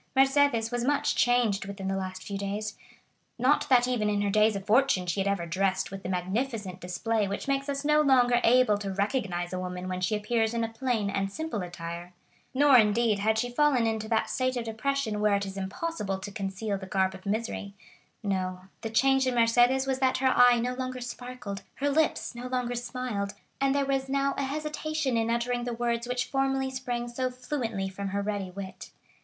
Mercédès was much changed within the last few days; not that even in her days of fortune she had ever dressed with the magnificent display which makes us no longer able to recognize a woman when she appears in a plain and simple attire; nor indeed, had she fallen into that state of depression where it is impossible to conceal the garb of misery; no, the change in Mercédès was that her eye no longer sparkled, her lips no longer smiled, and there was now a hesitation in uttering the words which formerly sprang so fluently from her ready wit.